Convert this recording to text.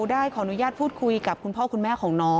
ได้ขออนุญาตพูดคุยกับคุณพ่อคุณแม่ของน้อง